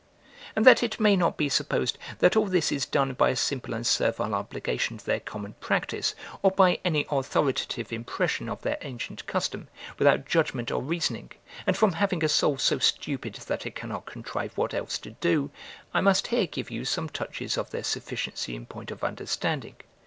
And that it may not be supposed, that all this is done by a simple and servile obligation to their common practice, or by any authoritative impression of their ancient custom, without judgment or reasoning, and from having a soul so stupid that it cannot contrive what else to do, I must here give you some touches of their sufficiency in point of understanding.